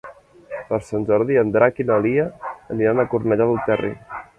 Per Sant Jordi en Drac i na Lia aniran a Cornellà del Terri.